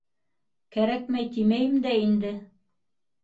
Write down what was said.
Кәрәкмәй тимәйем дә инде...